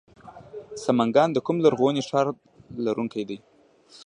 سمنګان د کوم لرغوني ښار لرونکی دی؟